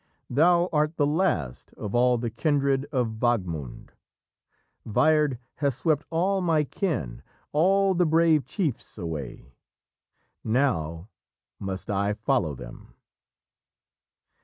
Thou art the last of all the kindred of Wagmund! Wyrd has swept all my kin, all the brave chiefs away! Now must I follow them!"